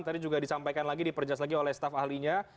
tadi juga disampaikan lagi diperjelas lagi oleh staf ahlinya